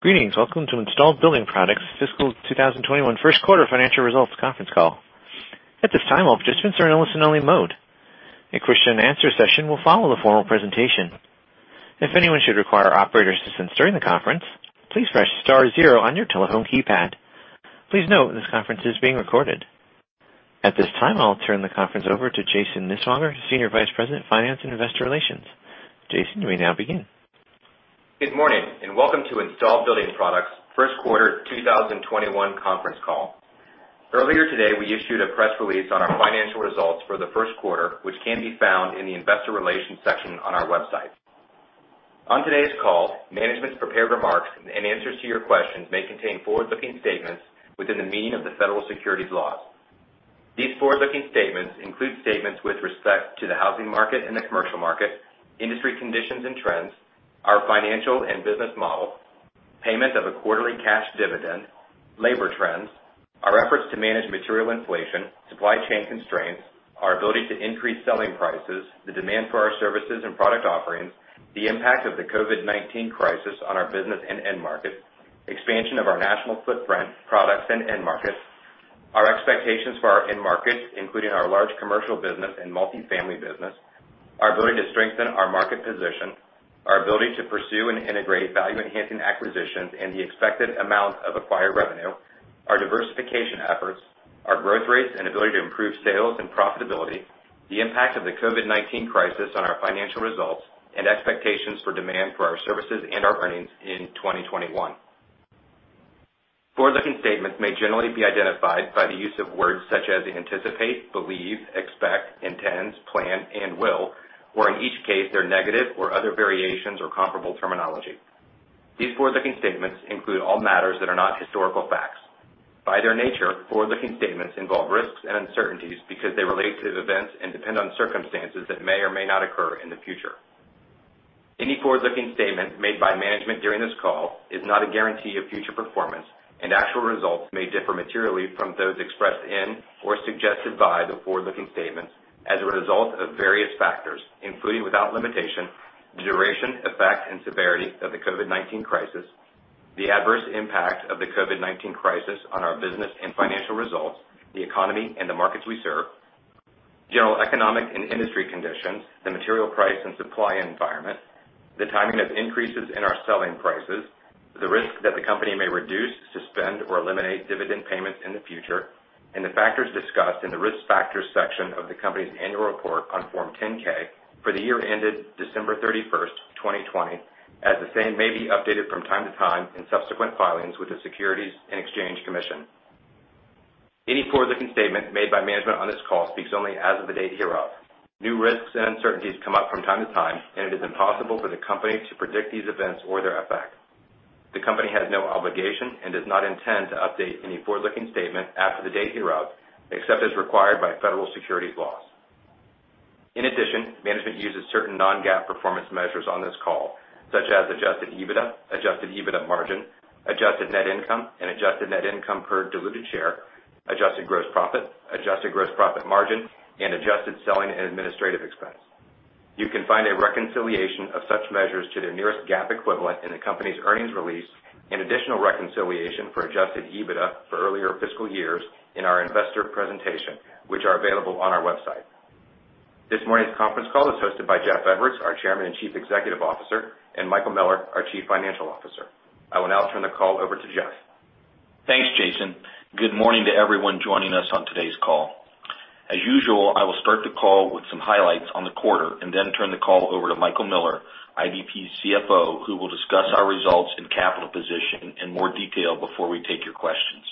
Greetings. Welcome to Installed Building Products fiscal 2021 first quarter financial results conference call. At this time, we'll participate in a listen-only mode. A question-and-answer session will follow the formal presentation. If anyone should require operator assistance during the conference, please press star zero on your telephone keypad. Please note, this conference is being recorded. At this time, I'll turn the conference over to Jason Niswonger, Senior Vice President, Finance and Investor Relations. Jason, you may now begin. Good morning and welcome to Installed Building Products first quarter 2021 conference call. Earlier today, we issued a press release on our financial results for the first quarter, which can be found in the Investor Relations section on our website. On today's call, management's prepared remarks and answers to your questions may contain forward-looking statements within the meaning of the federal securities laws. These forward-looking statements include statements with respect to the housing market and the commercial market, industry conditions and trends, our financial and business model, payment of a quarterly cash dividend, labor trends, our efforts to manage material inflation, supply chain constraints, our ability to increase selling prices, the demand for our services and product offerings, the impact of the COVID-19 crisis on our business and end markets, expansion of our national footprint, products, and end markets, our expectations for our end markets, including our large commercial business and multifamily business, our ability to strengthen our market position, our ability to pursue and integrate value-enhancing acquisitions and the expected amount of acquired revenue, our diversification efforts, our growth rates and ability to improve sales and profitability, the impact of the COVID-19 crisis on our financial results, and expectations for demand for our services and our earnings in 2021. Forward-looking statements may generally be identified by the use of words such as anticipate, believe, expect, intend, plan, and will, or in each case, they're negative or other variations or comparable terminology. These forward-looking statements include all matters that are not historical facts. By their nature, forward-looking statements involve risks and uncertainties because they relate to events and depend on circumstances that may or may not occur in the future. Any forward-looking statement made by management during this call is not a guarantee of future performance, and actual results may differ materially from those expressed in or suggested by the forward-looking statements as a result of various factors, including without limitation, the duration, effect, and severity of the COVID-19 crisis, the adverse impact of the COVID-19 crisis on our business and financial results, the economy and the markets we serve, general economic and industry conditions, the material price and supply environment, the timing of increases in our selling prices, the risk that the company may reduce, suspend, or eliminate dividend payments in the future, and the factors discussed in the risk factors section of the company's annual report on Form 10-K for the year ended December 31st, 2020, as the same may be updated from time to time in subsequent filings with the Securities and Exchange Commission. Any forward-looking statement made by management on this call speaks only as of the date hereof. New risks and uncertainties come up from time to time, and it is impossible for the company to predict these events or their effect. The company has no obligation and does not intend to update any forward-looking statement after the date hereof except as required by federal securities laws. In addition, management uses certain non-GAAP performance measures on this call, such as adjusted EBITDA, adjusted EBITDA margin, adjusted net income, and adjusted net income per diluted share, adjusted gross profit, adjusted gross profit margin, and adjusted selling and administrative expense. You can find a reconciliation of such measures to their nearest GAAP equivalent in the company's earnings release and additional reconciliation for adjusted EBITDA for earlier fiscal years in our investor presentation, which are available on our website. This morning's conference call is hosted by Jeff Edwards, our Chairman and Chief Executive Officer, and Michael Miller, our Chief Financial Officer. I will now turn the call over to Jeff. Thanks, Jason. Good morning to everyone joining us on today's call. As usual, I will start the call with some highlights on the quarter and then turn the call over to Michael Miller, IBP CFO, who will discuss our results and capital position in more detail before we take your questions.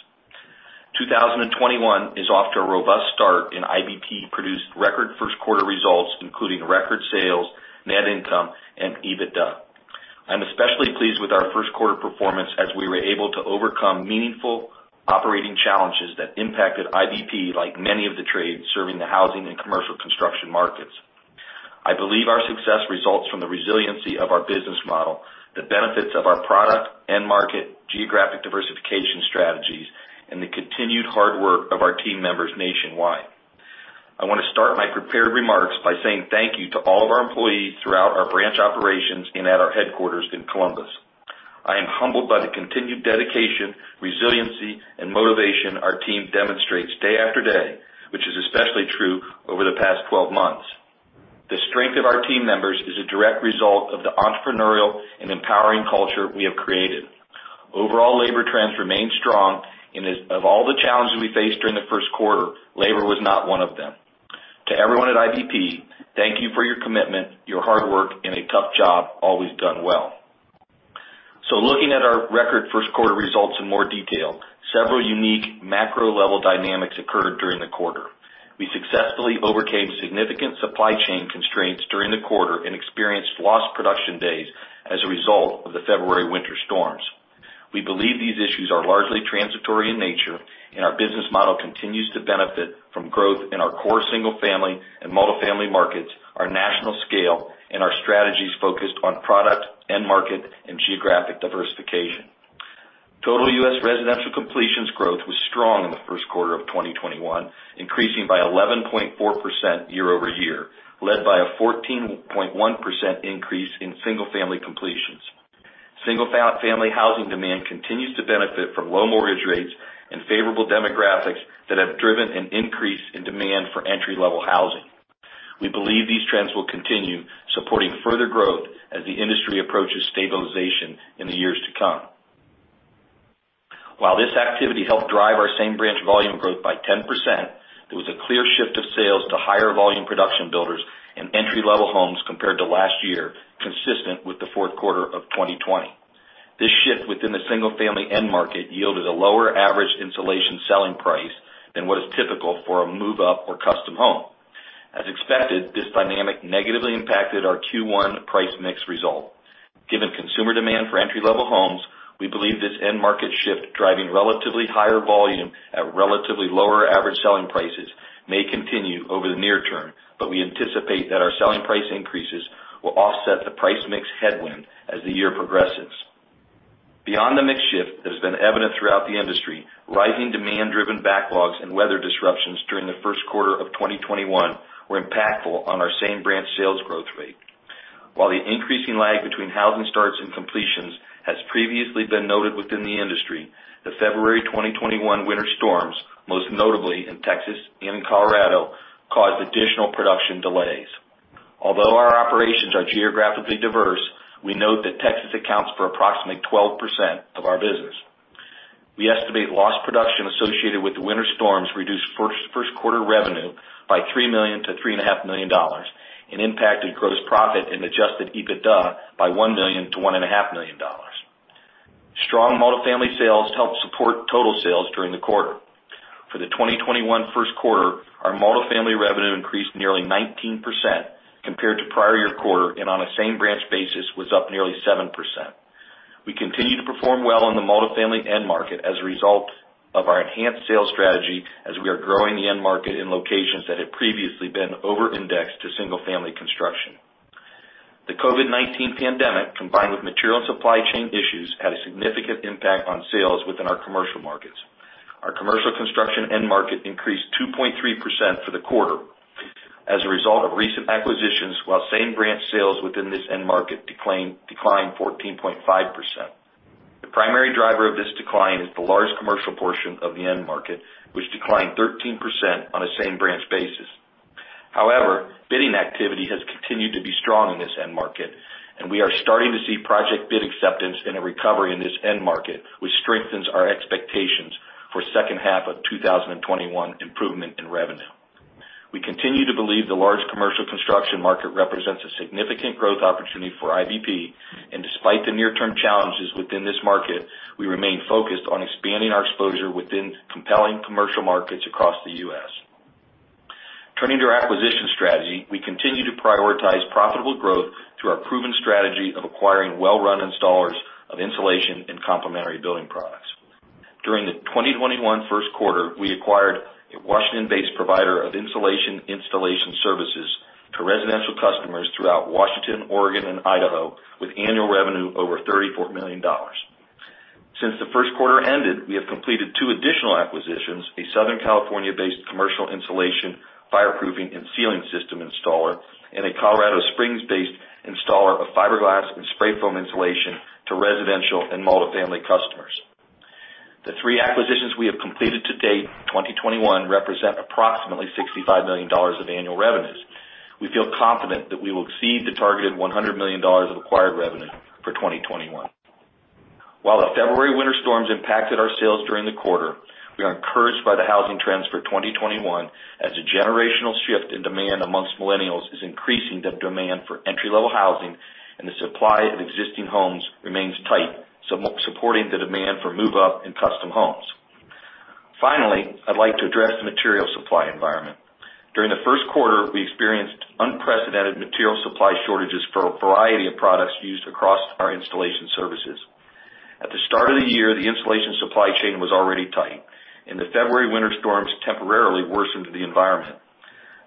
2021 is off to a robust start in IBP-produced record first quarter results, including record sales, net income, and EBITDA. I'm especially pleased with our first quarter performance as we were able to overcome meaningful operating challenges that impacted IBP like many of the trades serving the housing and commercial construction markets. I believe our success results from the resiliency of our business model, the benefits of our product and market geographic diversification strategies, and the continued hard work of our team members nationwide. I want to start my prepared remarks by saying thank you to all of our employees throughout our branch operations and at our headquarters in Columbus. I am humbled by the continued dedication, resiliency, and motivation our team demonstrates day after day, which is especially true over the past 12 months. The strength of our team members is a direct result of the entrepreneurial and empowering culture we have created. Overall, labor trends remain strong, and of all the challenges we faced during the first quarter, labor was not one of them. To everyone at IBP, thank you for your commitment, your hard work, and a tough job always done well. Looking at our record first quarter results in more detail, several unique macro-level dynamics occurred during the quarter. We successfully overcame significant supply chain constraints during the quarter and experienced lost production days as a result of the February winter storms. We believe these issues are largely transitory in nature, and our business model continues to benefit from growth in our core single-family and multifamily markets, our national scale, and our strategies focused on product and market and geographic diversification. Total U.S. residential completions growth was strong in the first quarter of 2021, increasing by 11.4% year-over-year, led by a 14.1% increase in single-family completions. Single-family housing demand continues to benefit from low mortgage rates and favorable demographics that have driven an increase in demand for entry-level housing. We believe these trends will continue supporting further growth as the industry approaches stabilization in the years to come. While this activity helped drive our same branch volume growth by 10%, there was a clear shift of sales to higher volume production builders and entry-level homes compared to last year, consistent with the fourth quarter of 2020. This shift within the single family end market yielded a lower average insulation selling price than what is typical for a move-up or custom home. As expected, this dynamic negatively impacted our Q1 price mix result. Given consumer demand for entry-level homes, we believe this end market shift driving relatively higher volume at relatively lower average selling prices may continue over the near term, but we anticipate that our selling price increases will offset the price mix headwind as the year progresses. Beyond the mix shift that has been evident throughout the industry, rising demand-driven backlogs and weather disruptions during the first quarter of 2021 were impactful on our same branch sales growth rate. While the increasing lag between housing starts and completions has previously been noted within the industry, the February 2021 winter storms, most notably in Texas and Colorado, caused additional production delays. Although our operations are geographically diverse, we note that Texas accounts for approximately 12% of our business. We estimate lost production associated with the winter storms reduced first quarter revenue by $3 million-$3.5 million and impacted gross profit and adjusted EBITDA by $1 million-$1.5 million. Strong multifamily sales helped support total sales during the quarter. For the 2021 first quarter, our multifamily revenue increased nearly 19% compared to prior year quarter and on a same branch basis was up nearly 7%. We continue to perform well in the multifamily end market as a result of our enhanced sales strategy as we are growing the end market in locations that had previously been over-indexed to single family construction. The COVID-19 pandemic, combined with material and supply chain issues, had a significant impact on sales within our commercial markets. Our commercial construction end market increased 2.3% for the quarter as a result of recent acquisitions, while same branch sales within this end market declined 14.5%. The primary driver of this decline is the large commercial portion of the end market, which declined 13% on a same branch basis. However, bidding activity has continued to be strong in this end market, and we are starting to see project bid acceptance and a recovery in this end market, which strengthens our expectations for second half of 2021 improvement in revenue. We continue to believe the large commercial construction market represents a significant growth opportunity for IBP, and despite the near-term challenges within this market, we remain focused on expanding our exposure within compelling commercial markets across the U.S. Turning to our acquisition strategy, we continue to prioritize profitable growth through our proven strategy of acquiring well-run installers of insulation and complementary building products. During the 2021 first quarter, we acquired a Washington-based provider of insulation installation services to residential customers throughout Washington, Oregon, and Idaho with annual revenue over $34 million. Since the first quarter ended, we have completed two additional acquisitions: a Southern California-based commercial insulation fireproofing and ceiling system installer and a Colorado Springs-based installer of fiberglass and spray foam insulation to residential and multifamily customers. The three acquisitions we have completed to date 2021 represent approximately $65 million of annual revenues. We feel confident that we will exceed the targeted $100 million of acquired revenue for 2021. While the February winter storms impacted our sales during the quarter, we are encouraged by the housing trends for 2021 as a generational shift in demand amongst millennials is increasing the demand for entry-level housing and the supply of existing homes remains tight, supporting the demand for move-up and custom homes. Finally, I'd like to address the material supply environment. During the first quarter, we experienced unprecedented material supply shortages for a variety of products used across our installation services. At the start of the year, the insulation supply chain was already tight, and the February winter storms temporarily worsened the environment.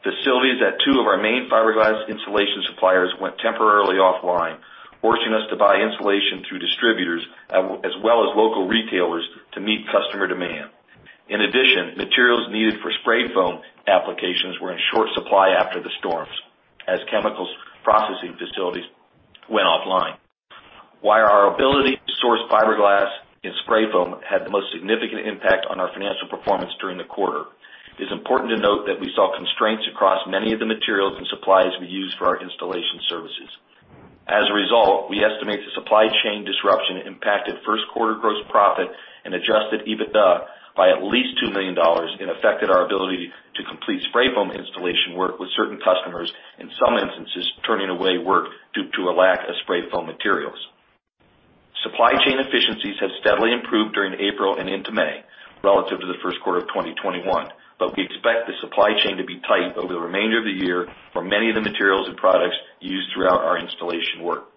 Facilities at two of our main fiberglass insulation suppliers went temporarily offline, forcing us to buy insulation through distributors as well as local retailers to meet customer demand. In addition, materials needed for spray foam applications were in short supply after the storms as chemicals processing facilities went offline. While our ability to source fiberglass and spray foam had the most significant impact on our financial performance during the quarter, it is important to note that we saw constraints across many of the materials and supplies we use for our installation services. As a result, we estimate the supply chain disruption impacted first quarter gross profit and adjusted EBITDA by at least $2 million and affected our ability to complete spray foam installation work with certain customers, in some instances turning away work due to a lack of spray foam materials. Supply chain efficiencies have steadily improved during April and into May relative to the first quarter of 2021, but we expect the supply chain to be tight over the remainder of the year for many of the materials and products used throughout our installation work.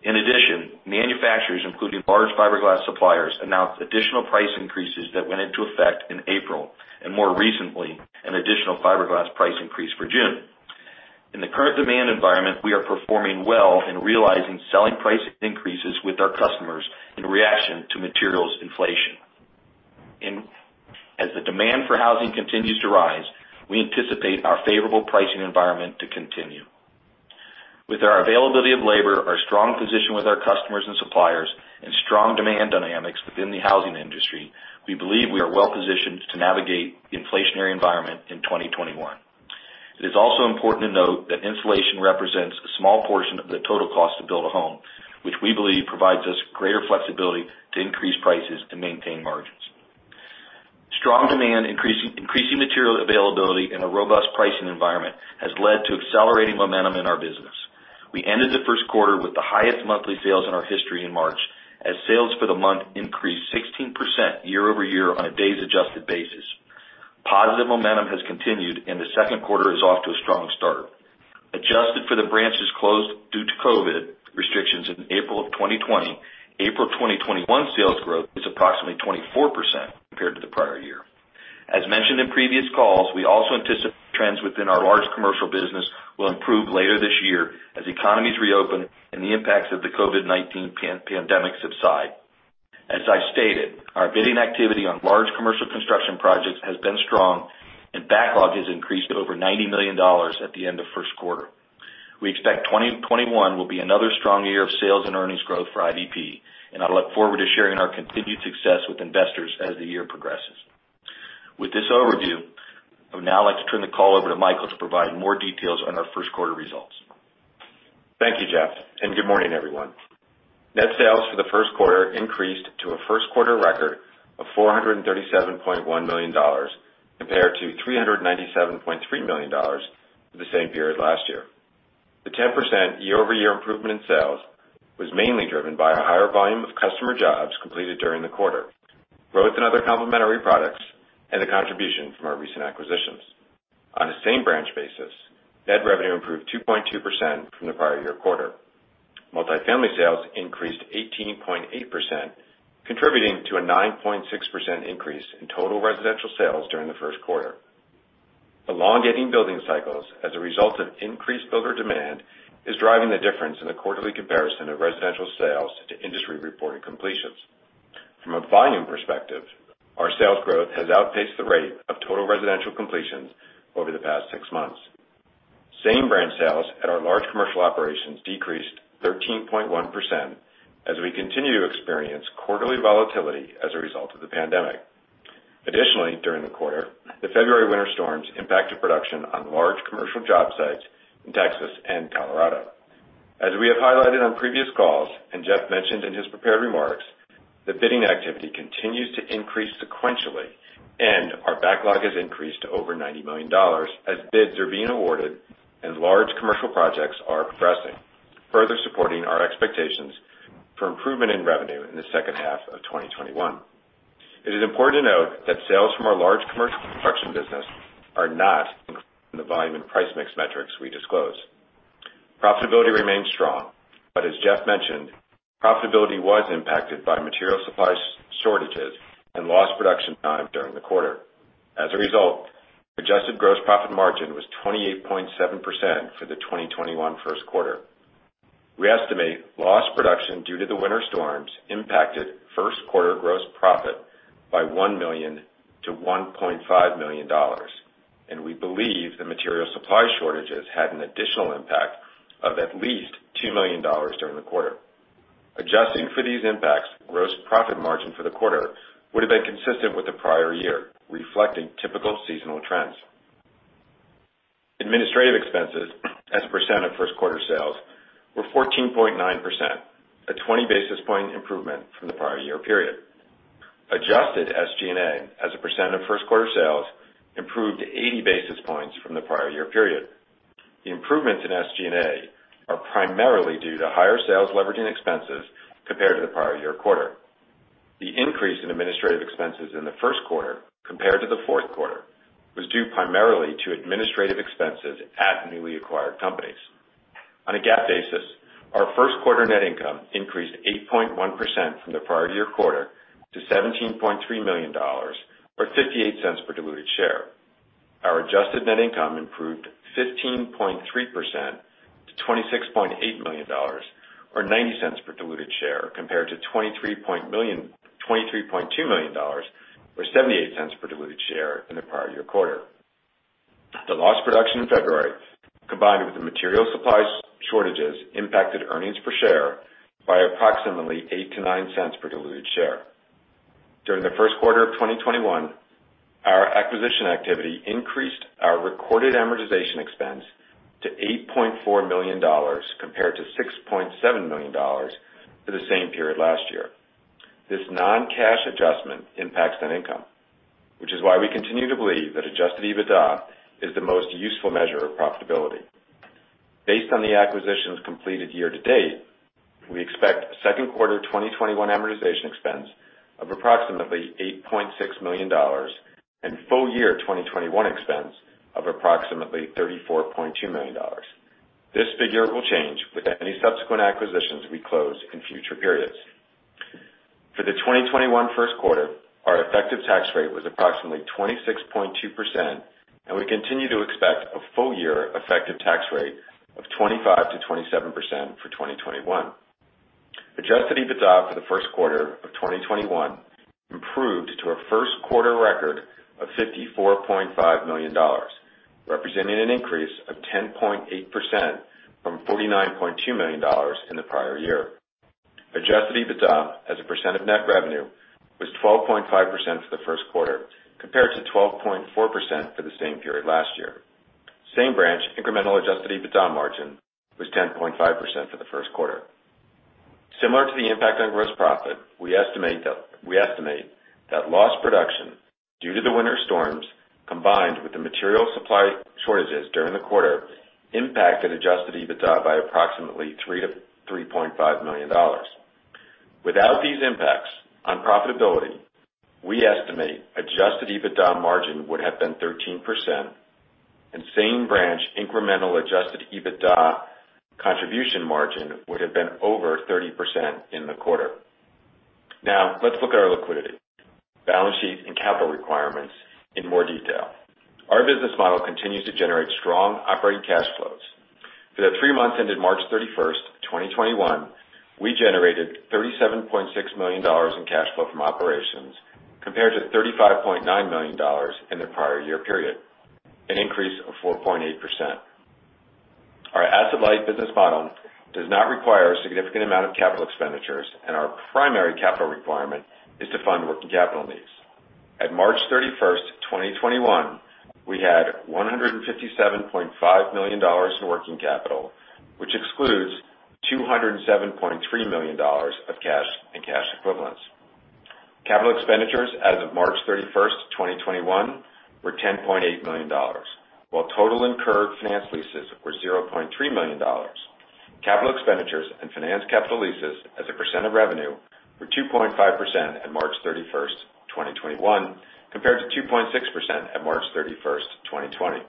In addition, manufacturers, including large fiberglass suppliers, announced additional price increases that went into effect in April and, more recently, an additional fiberglass price increase for June. In the current demand environment, we are performing well in realizing selling price increases with our customers in reaction to materials inflation. As the demand for housing continues to rise, we anticipate our favorable pricing environment to continue. With our availability of labor, our strong position with our customers and suppliers, and strong demand dynamics within the housing industry, we believe we are well-positioned to navigate the inflationary environment in 2021. It is also important to note that insulation represents a small portion of the total cost to build a home, which we believe provides us greater flexibility to increase prices and maintain margins. Strong demand, increasing material availability, and a robust pricing environment has led to accelerating momentum in our business. We ended the first quarter with the highest monthly sales in our history in March as sales for the month increased 16% year-over-year on a days-adjusted basis. Positive momentum has continued, and the second quarter is off to a strong start. Adjusted for the branches closed due to COVID restrictions in April of 2020, April 2021 sales growth is approximately 24% compared to the prior year. As mentioned in previous calls, we also anticipate trends within our large commercial business will improve later this year as economies reopen and the impacts of the COVID-19 pandemic subside. As I stated, our bidding activity on large commercial construction projects has been strong, and backlog has increased to over $90 million at the end of first quarter. We expect 2021 will be another strong year of sales and earnings growth for IBP, and I look forward to sharing our continued success with investors as the year progresses. With this overview, I would now like to turn the call over to Michael to provide more details on our first quarter results. Thank you, Jeff, and good morning, everyone. Net sales for the first quarter increased to a first quarter record of $437.1 million compared to $397.3 million for the same period last year. The 10% year-over-year improvement in sales was mainly driven by a higher volume of customer jobs completed during the quarter, growth in other complementary products, and the contribution from our recent acquisitions. On a same branch basis, net revenue improved 2.2% from the prior year quarter. Multifamily sales increased 18.8%, contributing to a 9.6% increase in total residential sales during the first quarter. Elongating building cycles as a result of increased builder demand is driving the difference in the quarterly comparison of residential sales to industry-reported completions. From a volume perspective, our sales growth has outpaced the rate of total residential completions over the past six months. Same Branch Sales at our large commercial operations decreased 13.1% as we continue to experience quarterly volatility as a result of the pandemic. Additionally, during the quarter, the February winter storms impacted production on large commercial job sites in Texas and Colorado. As we have highlighted on previous calls and Jeff mentioned in his prepared remarks, the bidding activity continues to increase sequentially, and our backlog has increased to over $90 million as bids are being awarded and large commercial projects are progressing, further supporting our expectations for improvement in revenue in the second half of 2021. It is important to note that sales from our large commercial construction business are not included in the volume and price mix metrics we disclose. Profitability remains strong, but as Jeff mentioned, profitability was impacted by material supply shortages and lost production time during the quarter. As a result, adjusted gross profit margin was 28.7% for the 2021 first quarter. We estimate lost production due to the winter storms impacted first quarter gross profit by $1 million-$1.5 million, and we believe the material supply shortages had an additional impact of at least $2 million during the quarter. Adjusting for these impacts, gross profit margin for the quarter would have been consistent with the prior year, reflecting typical seasonal trends. Administrative expenses as a percent of first quarter sales were 14.9%, a 20 basis point improvement from the prior year period. Adjusted SG&A as a percent of first quarter sales improved 80 basis points from the prior year period. The improvements in SG&A are primarily due to higher sales leveraging expenses compared to the prior year quarter. The increase in administrative expenses in the first quarter compared to the fourth quarter was due primarily to administrative expenses at newly acquired companies. On a GAAP basis, our first quarter net income increased 8.1% from the prior year quarter to $17.3 million or $0.58 per diluted share. Our adjusted net income improved 15.3% to $26.8 million or $0.90 per diluted share compared to $23.2 million or $0.78 per diluted share in the prior year quarter. The lost production in February, combined with the material supply shortages, impacted earnings per share by approximately $0.08-$0.09 per diluted share. During the first quarter of 2021, our acquisition activity increased our recorded amortization expense to $8.4 million compared to $6.7 million for the same period last year. This non-cash adjustment impacts net income, which is why we continue to believe that adjusted EBITDA is the most useful measure of profitability. Based on the acquisitions completed year to date, we expect second quarter 2021 amortization expense of approximately $8.6 million and full year 2021 expense of approximately $34.2 million. This figure will change with any subsequent acquisitions we close in future periods. For the 2021 first quarter, our effective tax rate was approximately 26.2%, and we continue to expect a full year effective tax rate of 25%-27% for 2021. Adjusted EBITDA for the first quarter of 2021 improved to a first quarter record of $54.5 million, representing an increase of 10.8% from $49.2 million in the prior year. Adjusted EBITDA as a percent of net revenue was 12.5% for the first quarter compared to 12.4% for the same period last year. Same branch incremental adjusted EBITDA margin was 10.5% for the first quarter. Similar to the impact on gross profit, we estimate that lost production due to the winter storms combined with the material supply shortages during the quarter impacted adjusted EBITDA by approximately $3 million-$3.5 million. Without these impacts on profitability, we estimate adjusted EBITDA margin would have been 13%, and same branch incremental adjusted EBITDA contribution margin would have been over 30% in the quarter. Now, let's look at our liquidity, balance sheet, and capital requirements in more detail. Our business model continues to generate strong operating cash flows. For the three months ended March 31st, 2021, we generated $37.6 million in cash flow from operations compared to $35.9 million in the prior year period, an increase of 4.8%. Our asset-light business model does not require a significant amount of capital expenditures, and our primary capital requirement is to fund working capital needs. At March 31st, 2021, we had $157.5 million in working capital, which excludes $207.3 million of cash and cash equivalents. Capital expenditures as of March 31st, 2021, were $10.8 million, while total and accrued finance leases were $0.3 million. Capital expenditures and finance capital leases as a percent of revenue were 2.5% at March 31st, 2021, compared to 2.6% at March 31st, 2020.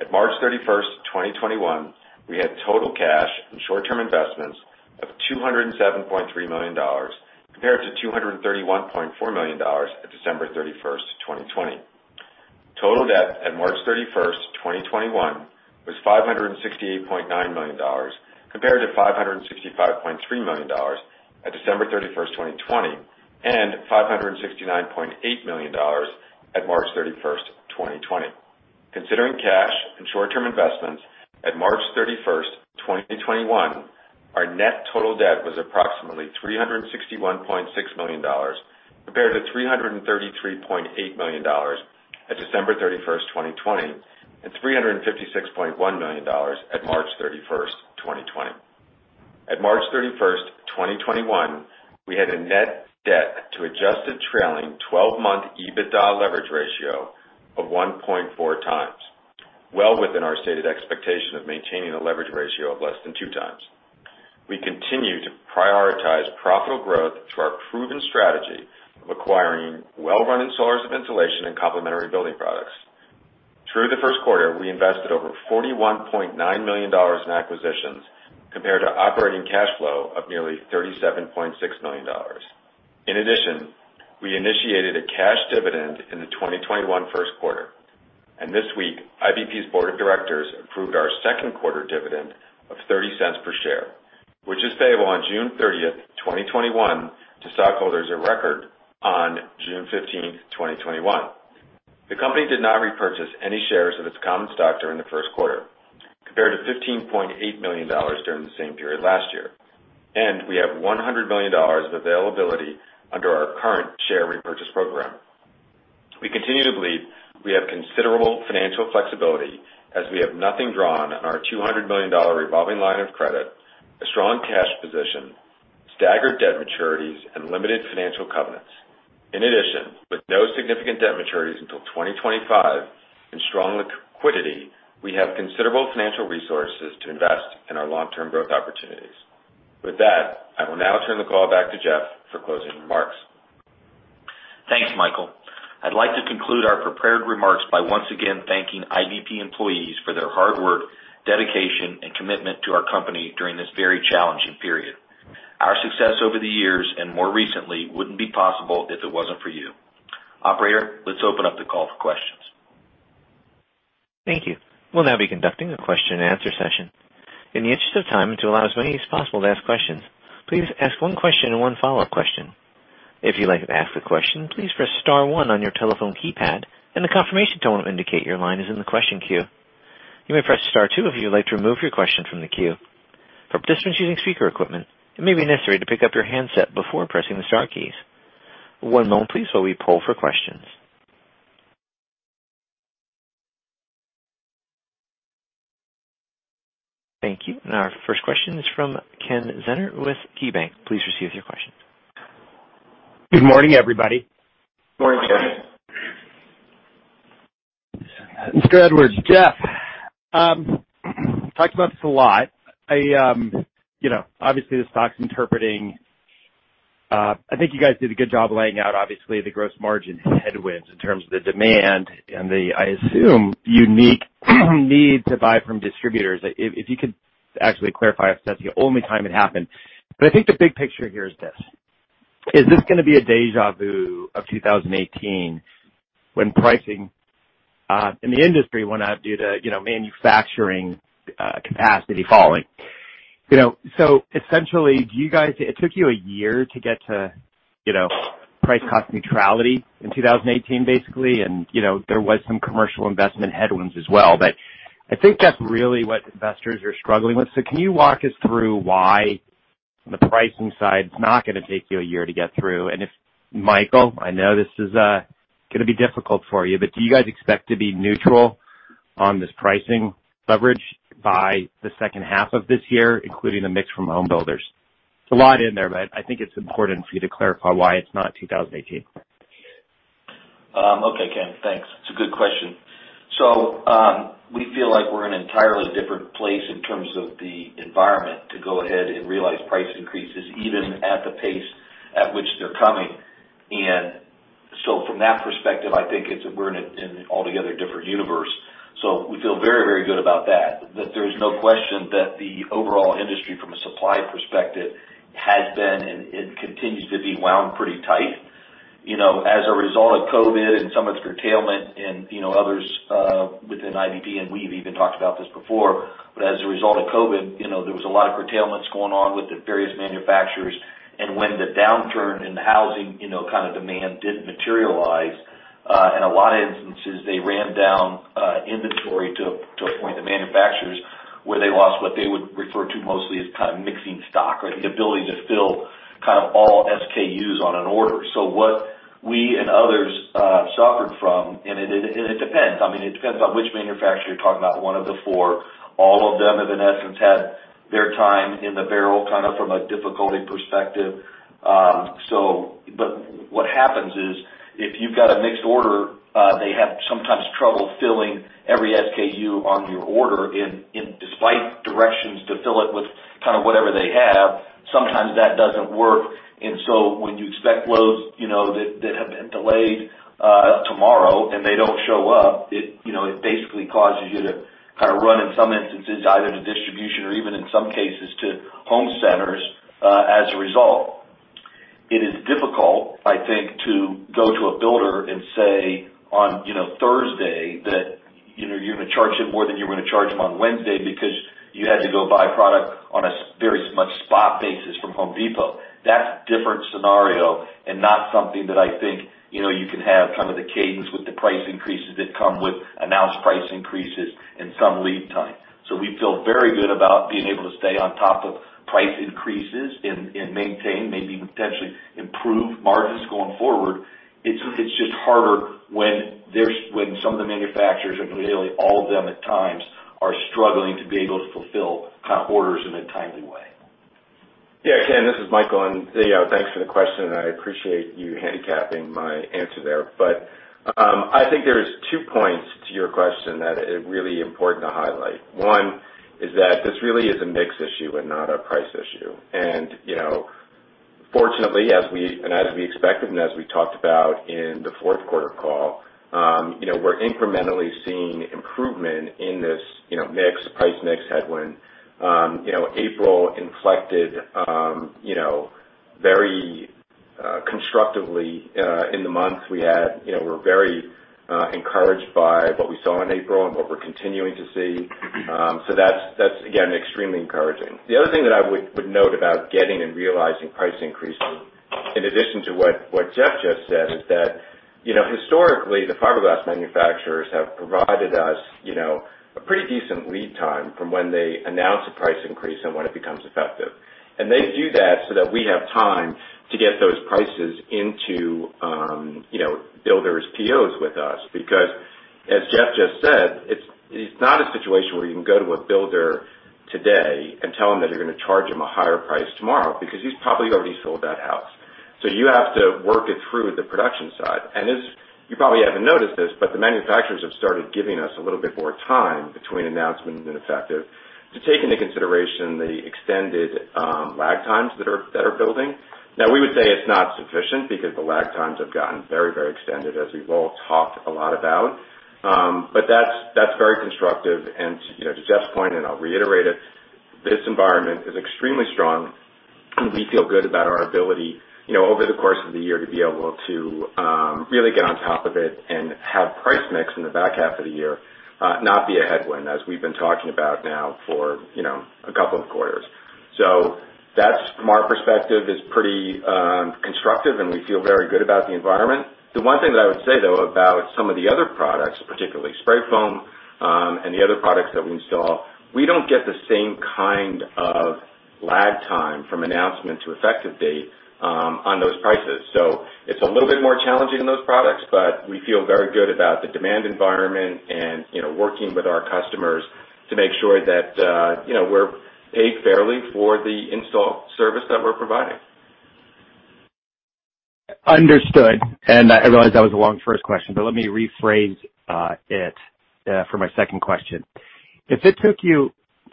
At March 31st, 2021, we had total cash and short-term investments of $207.3 million compared to $231.4 million at December 31st, 2020. Total debt at March 31st, 2021, was $568.9 million compared to $565.3 million at December 31st, 2020, and $569.8 million at March 31st, 2020. Considering cash and short-term investments at March 31st, 2021, our net total debt was approximately $361.6 million compared to $333.8 million at December 31st, 2020, and $356.1 million at March 31st, 2020. At March 31st, 2021, we had a net debt to adjusted trailing 12-month EBITDA leverage ratio of 1.4x, well within our stated expectation of maintaining a leverage ratio of less than 2x. We continue to prioritize profitable growth through our proven strategy of acquiring well-run installers of insulation and complementary building products. Through the first quarter, we invested over $41.9 million in acquisitions compared to operating cash flow of nearly $37.6 million. In addition, we initiated a cash dividend in the 2021 first quarter, and this week, IBP's board of directors approved our second quarter dividend of $0.30 per share, which is payable on June 30th, 2021, to stockholders of record on June 15th, 2021. The company did not repurchase any shares of its common stock during the first quarter compared to $15.8 million during the same period last year, and we have $100 million of availability under our current share repurchase program. We continue to believe we have considerable financial flexibility as we have nothing drawn on our $200 million revolving line of credit, a strong cash position, staggered debt maturities, and limited financial covenants. In addition, with no significant debt maturities until 2025 and strong liquidity, we have considerable financial resources to invest in our long-term growth opportunities. With that, I will now turn the call back to Jeff for closing remarks. Thanks, Michael. I'd like to conclude our prepared remarks by once again thanking IBP employees for their hard work, dedication, and commitment to our company during this very challenging period. Our success over the years and more recently wouldn't be possible if it wasn't for you. Operator, let's open up the call for questions. Thank you. We'll now be conducting a question-and-answer session. In the interest of time and to allow as many as possible to ask questions, please ask one question and one follow-up question. If you'd like to ask a question, please press star one on your telephone keypad and the confirmation tone will indicate your line is in the question queue. You may press star two if you'd like to remove your question from the queue. For participants using speaker equipment, it may be necessary to pick up your handset before pressing the star keys. One moment, please, while we pull for questions. Thank you. Our first question is from Ken Zener with KeyBanc. Please receive your question. Good morning, everybody. Morning, Ken. Jeff Edwards talked about this a lot. Obviously, the stock's interpreting I think you guys did a good job laying out, obviously, the gross margin headwinds in terms of the demand and the, I assume, unique need to buy from distributors. If you could actually clarify, if that's the only time it happened. But I think the big picture here is this: is this going to be a déjà vu of 2018 when pricing in the industry went up due to manufacturing capacity falling? So essentially, did it take you a year to get to price-cost neutrality in 2018, basically, and there was some commercial investment headwinds as well. But I think that's really what investors are struggling with. So can you walk us through why on the pricing side, it's not going to take you a year to get through? If Michael, I know this is going to be difficult for you, but do you guys expect to be neutral on this pricing leverage by the second half of this year, including the mix from homebuilders? It's a lot in there, but I think it's important for you to clarify why it's not 2018. Okay, Ken. Thanks. It's a good question. So we feel like we're in an entirely different place in terms of the environment to go ahead and realize price increases even at the pace at which they're coming. And so from that perspective, I think we're in an altogether different universe. So we feel very, very good about that. There's no question that the overall industry, from a supply perspective, has been and continues to be wound pretty tight. As a result of COVID and some of the curtailment and others within IBP, and we've even talked about this before, but as a result of COVID, there was a lot of curtailments going on with the various manufacturers. And when the downturn in housing kind of demand didn't materialize, in a lot of instances, they ran down inventory to a point the manufacturers were they lost what they would refer to mostly as kind of mixing stock or the ability to fill kind of all SKUs on an order. So what we and others suffered from and it depends. I mean, it depends on which manufacturer you're talking about, one of the four. All of them, in essence, had their time in the barrel kind of from a difficulty perspective. But what happens is if you've got a mix order, they have sometimes trouble filling every SKU on your order. And despite directions to fill it with kind of whatever they have, sometimes that doesn't work. When you expect loads that have been delayed tomorrow and they don't show up, it basically causes you to kind of run, in some instances, either to distribution or even, in some cases, to home centers as a result. It is difficult, I think, to go to a builder and say on Thursday that you're going to charge him more than you were going to charge him on Wednesday because you had to go buy product on a very much spot basis from Home Depot. That's a different scenario and not something that I think you can have kind of the cadence with the price increases that come with announced price increases in some lead time. So we feel very good about being able to stay on top of price increases and maintain, maybe potentially improve margins going forward. It's just harder when some of the manufacturers are nearly all of them, at times, are struggling to be able to fulfill kind of orders in a timely way. Yeah, Ken, this is Michael. And thanks for the question. I appreciate you handicapping my answer there. But I think there's two points to your question that are really important to highlight. One is that this really is a mix issue and not a price issue. And fortunately, as we and as we expected and as we talked about in the fourth quarter call, we're incrementally seeing improvement in this mix, price mix headwind. April inflected very constructively in the month. We were very encouraged by what we saw in April and what we're continuing to see. So that's, again, extremely encouraging. The other thing that I would note about getting and realizing price increases, in addition to what Jeff just said, is that historically, the fiberglass manufacturers have provided us a pretty decent lead time from when they announce a price increase and when it becomes effective. They do that so that we have time to get those prices into builders' POs with us because, as Jeff just said, it's not a situation where you can go to a builder today and tell them that you're going to charge them a higher price tomorrow because he's probably already sold that house. You have to work it through the production side. You probably haven't noticed this, but the manufacturers have started giving us a little bit more time between announcement and effective to take into consideration the extended lag times that are building. Now, we would say it's not sufficient because the lag times have gotten very, very extended, as we've all talked a lot about. But that's very constructive. And to Jeff's point, and I'll reiterate it, this environment is extremely strong, and we feel good about our ability, over the course of the year, to be able to really get on top of it and have price mix in the back half of the year, not be a headwind, as we've been talking about now for a couple of quarters. So from our perspective, it's pretty constructive, and we feel very good about the environment. The one thing that I would say, though, about some of the other products, particularly spray foam and the other products that we install, we don't get the same kind of lag time from announcement to effective date on those prices. It's a little bit more challenging in those products, but we feel very good about the demand environment and working with our customers to make sure that we're paid fairly for the install service that we're providing. Understood. And I realize that was a long first question, but let me rephrase it for my second question. If it took you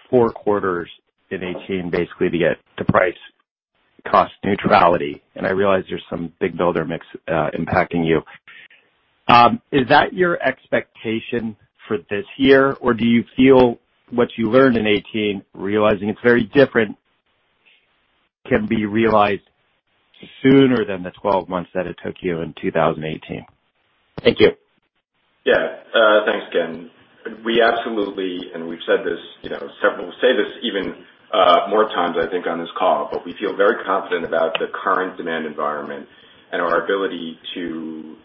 four quarters in 2018, basically, to get to price-cost neutrality, and I realize there's some big builder mix impacting you, is that your expectation for this year, or do you feel what you learned in 2018, realizing it's very different, can be realized sooner than the 12 months that it took you in 2018? Thank you. Yeah. Thanks, Ken. We absolutely, and we've said this several times, we'll say this even more times, I think, on this call, but we feel very confident about the current demand environment and our ability to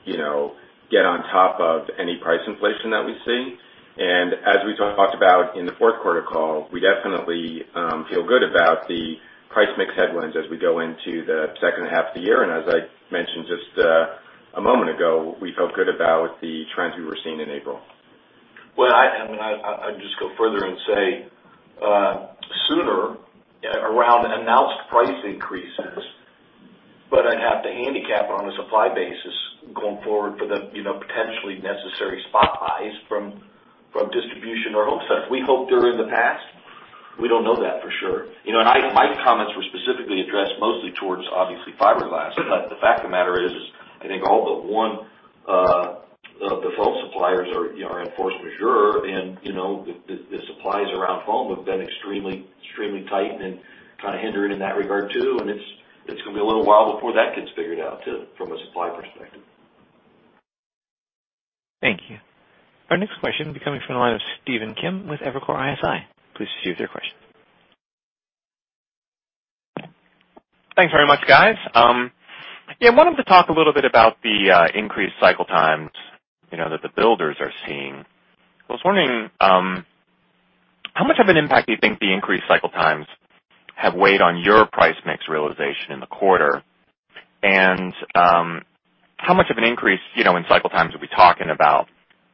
get on top of any price inflation that we see. And as we talked about in the fourth quarter call, we definitely feel good about the price mix headwinds as we go into the second half of the year. And as I mentioned just a moment ago, we felt good about the trends we were seeing in April. Well, I mean, I'd just go further and say sooner, around announced price increases, but I'd have to handicap it on a supply basis going forward for the potentially necessary spot buys from distribution or home centers. We hoped they were in the past. We don't know that for sure. And my comments were specifically addressed mostly towards, obviously, fiberglass. But the fact of the matter is, I think all but one of the foam suppliers are in force majeure, and the supplies around foam have been extremely, extremely tight and kind of hindered in that regard too. And it's going to be a little while before that gets figured out too from a supply perspective. Thank you. Our next question will be coming from the line of Stephen Kim with Evercore ISI. Please proceed with your question. Thanks very much, guys. Yeah, I wanted to talk a little bit about the increased cycle times that the builders are seeing. I was wondering, how much of an impact do you think the increased cycle times have weighed on your price mix realization in the quarter? And how much of an increase in cycle times are we talking about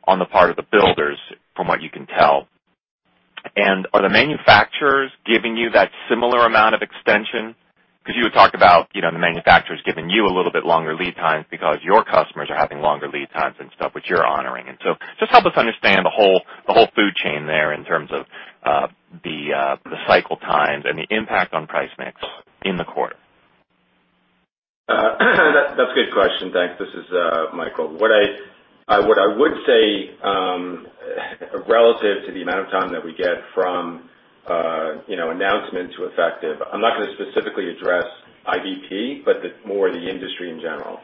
on the part of the builders, from what you can tell? And are the manufacturers giving you that similar amount of extension? Because you had talked about the manufacturers giving you a little bit longer lead times because your customers are having longer lead times and stuff, which you're honoring. And so just help us understand the whole supply chain there in terms of the cycle times and the impact on price mix in the quarter. That's a good question. Thanks. This is Michael. What I would say relative to the amount of time that we get from announcement to effective. I'm not going to specifically address IBP, but more the industry in general.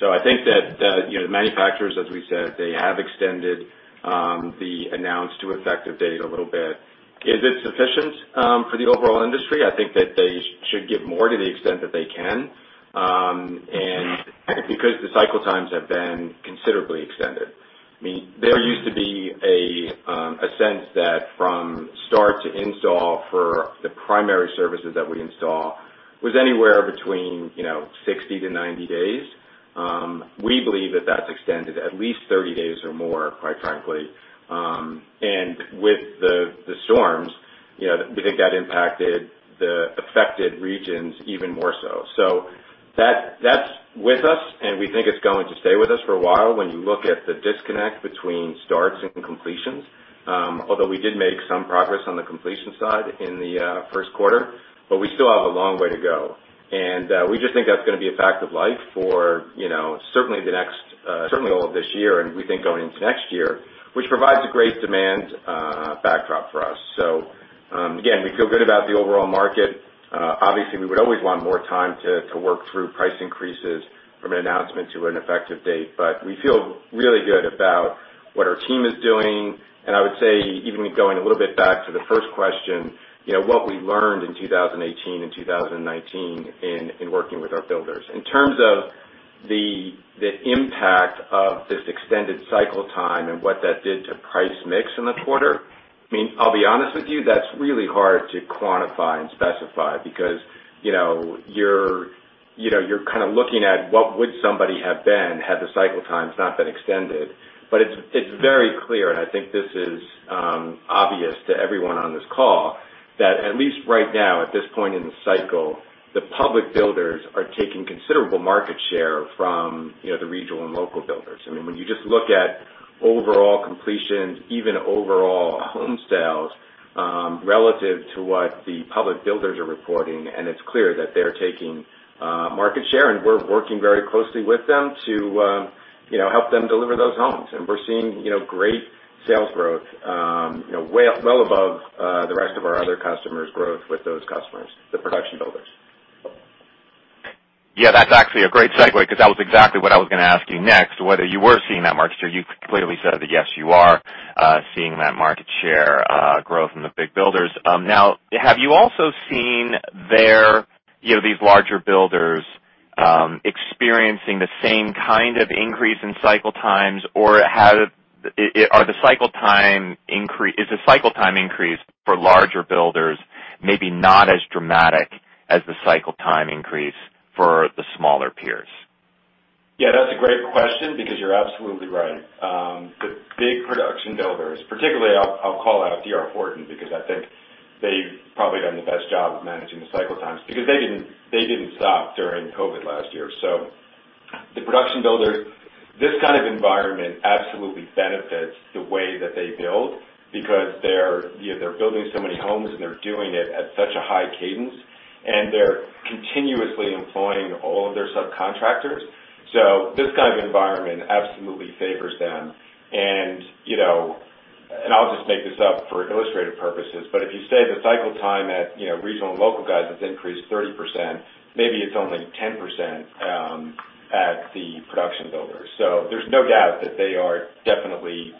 So I think that the manufacturers, as we said, they have extended the announced-to-effective date a little bit. Is it sufficient for the overall industry? I think that they should give more to the extent that they can because the cycle times have been considerably extended. I mean, there used to be a sense that from start to install for the primary services that we install was anywhere between 60-90 days. We believe that that's extended at least 30 days or more, quite frankly. And with the storms, we think that impacted the affected regions even more so. So that's with us, and we think it's going to stay with us for a while when you look at the disconnect between starts and completions, although we did make some progress on the completion side in the first quarter. But we still have a long way to go. And we just think that's going to be a fact of life for certainly the next certainly all of this year, and we think going into next year, which provides a great demand backdrop for us. So again, we feel good about the overall market. Obviously, we would always want more time to work through price increases from an announcement to an effective date. But we feel really good about what our team is doing. And I would say, even going a little bit back to the first question, what we learned in 2018 and 2019 in working with our builders. In terms of the impact of this extended cycle time and what that did to price mix in the quarter, I mean, I'll be honest with you, that's really hard to quantify and specify because you're kind of looking at what would somebody have been had the cycle times not been extended. But it's very clear, and I think this is obvious to everyone on this call, that at least right now, at this point in the cycle, the public builders are taking considerable market share from the regional and local builders. I mean, when you just look at overall completions, even overall home sales, relative to what the public builders are reporting, and it's clear that they're taking market share, and we're working very closely with them to help them deliver those homes. We're seeing great sales growth, well above the rest of our other customers' growth with those customers, the production builders. Yeah, that's actually a great segue because that was exactly what I was going to ask you next, whether you were seeing that market share. You clearly said that, yes, you are seeing that market share growth in the big builders. Now, have you also seen these larger builders experiencing the same kind of increase in cycle times, or are the cycle time increase is the cycle time increase for larger builders maybe not as dramatic as the cycle time increase for the smaller peers? Yeah, that's a great question because you're absolutely right. The big production builders, particularly I'll call out D.R. Horton because I think they've probably done the best job of managing the cycle times because they didn't stop during COVID last year. So the production builders, this kind of environment absolutely benefits the way that they build because they're building so many homes, and they're doing it at such a high cadence, and they're continuously employing all of their subcontractors. So this kind of environment absolutely favors them. And I'll just make this up for illustrative purposes. But if you say the cycle time at regional and local guys has increased 30%, maybe it's only 10% at the production builders. So there's no doubt that they are definitely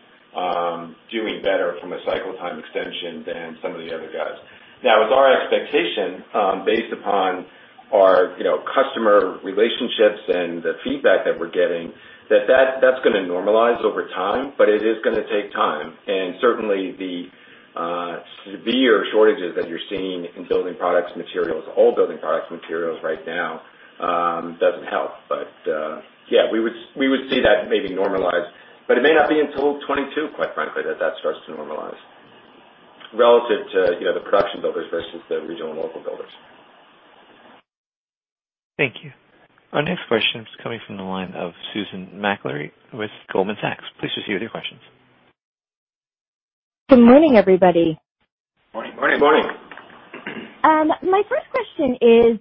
doing better from a cycle time extension than some of the other guys. Now, it's our expectation, based upon our customer relationships and the feedback that we're getting, that that's going to normalize over time, but it is going to take time. Certainly, the severe shortages that you're seeing in building products and materials, all building products and materials right now, doesn't help. Yeah, we would see that maybe normalize. It may not be until 2022, quite frankly, that that starts to normalize relative to the production builders versus the regional and local builders. Thank you. Our next question is coming from the line of Susan Maklari with Goldman Sachs. Please proceed with your questions. Good morning, everybody. Morning, morning, morning. My first question is,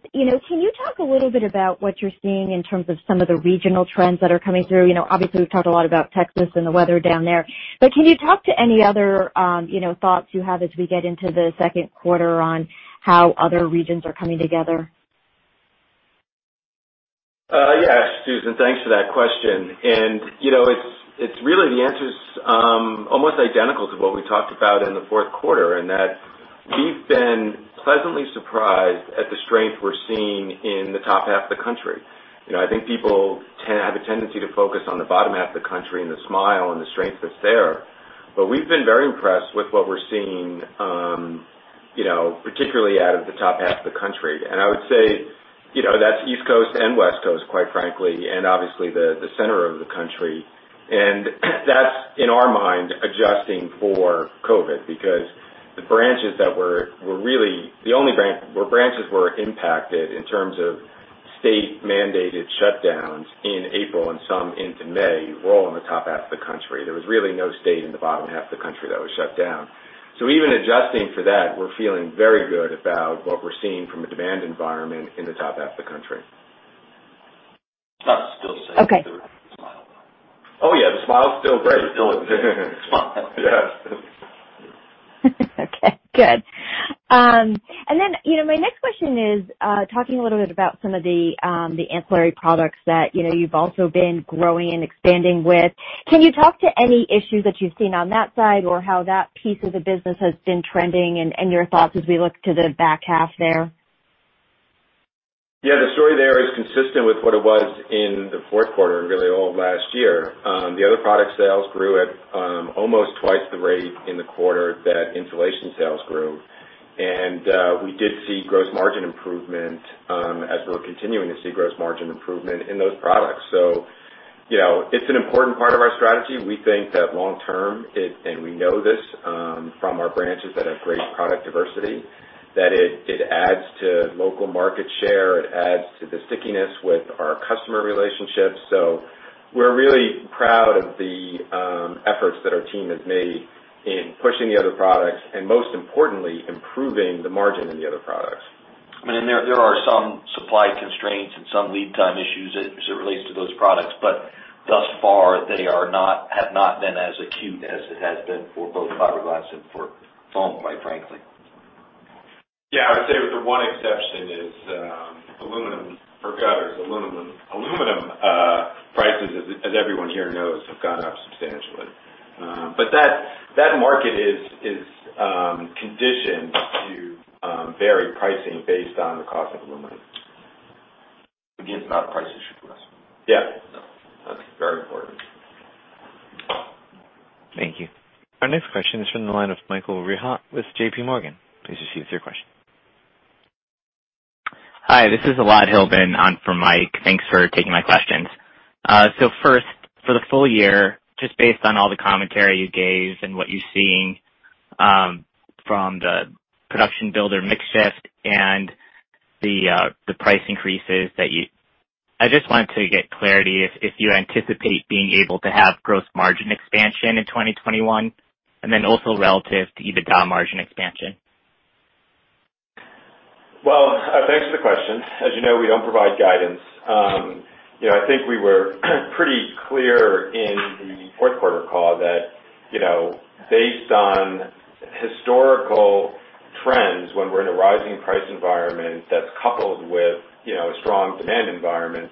can you talk a little bit about what you're seeing in terms of some of the regional trends that are coming through? Obviously, we've talked a lot about Texas and the weather down there. Can you talk to any other thoughts you have as we get into the second quarter on how other regions are coming together? Yes, Susan. Thanks for that question. It's really the answer's almost identical to what we talked about in the fourth quarter, in that we've been pleasantly surprised at the strength we're seeing in the top half of the country. I think people have a tendency to focus on the bottom half of the country and the South and the strength that's there. But we've been very impressed with what we're seeing, particularly out of the top half of the country. I would say that's East Coast and West Coast, quite frankly, and obviously, the center of the country. That's, in our mind, adjusting for COVID because the branches that were really the only branches where branches were impacted in terms of state-mandated shutdowns in April and some into May were all in the top half of the country. There was really no state in the bottom half of the country that was shut down. So even adjusting for that, we're feeling very good about what we're seeing from a demand environment in the top half of the country. I'd still say the Smile, though. Oh, yeah. The Smile's still great. Still exactly. Smile. Yes. Okay. Good. And then my next question is talking a little bit about some of the ancillary products that you've also been growing and expanding with. Can you talk to any issues that you've seen on that side or how that piece of the business has been trending and your thoughts as we look to the back half there? Yeah, the story there is consistent with what it was in the fourth quarter and really all of last year. The other product sales grew at almost twice the rate in the quarter that insulation sales grew. We did see gross margin improvement as we were continuing to see gross margin improvement in those products. It's an important part of our strategy. We think that long-term, and we know this from our branches that have great product diversity, that it adds to local market share. It adds to the stickiness with our customer relationships. We're really proud of the efforts that our team has made in pushing the other products and, most importantly, improving the margin in the other products. I mean, and there are some supply constraints and some lead time issues as it relates to those products. But thus far, they have not been as acute as it has been for both fiberglass and for foam, quite frankly. Yeah, I would say with the one exception is aluminum for gutters. Aluminum prices, as everyone here knows, have gone up substantially. But that market is conditioned to vary pricing based on the cost of aluminum. Again, it's not a price issue for us. Yeah. That's very important. Thank you. Our next question is from the line of Michael Rehaut with JPMorgan. Please proceed with your question. Hi. This is Elad Hillman. I'm from JPMorgan. Thanks for taking my questions. So first, for the full year, just based on all the commentary you gave and what you're seeing from the production builders market and the price increases that you I just wanted to get clarity if you anticipate being able to have gross margin expansion in 2021 and then also relative to EBITDA margin expansion. Well, thanks for the question. As you know, we don't provide guidance. I think we were pretty clear in the fourth quarter call that based on historical trends when we're in a rising price environment that's coupled with a strong demand environment,